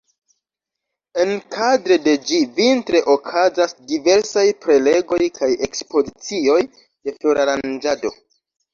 Enkadre de ĝi vintre okazas diversaj prelegoj kaj ekspozicioj de floraranĝado.